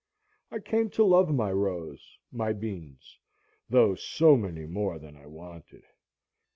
I came to love my rows, my beans, though so many more than I wanted.